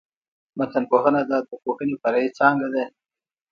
متنپوهنه د ادبپوهني فرعي څانګه ده.